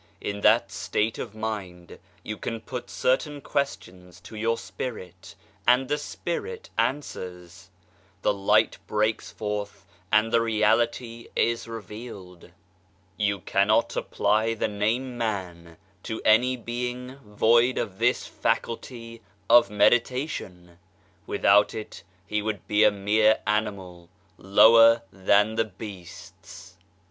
In that state of mind you put certain questions to your spirit and the spirit answers : the light breaks forth and the reality is revealed. You cannot apply the name " man " to any being void of this faculty of meditation ; without it he would be a mere animal, lower than the beasts.